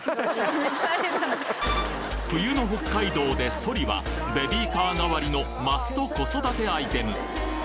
冬の北海道でソリはベビーカー代わりのマスト子育てアイテム